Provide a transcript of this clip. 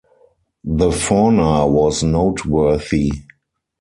The fauna was noteworthy.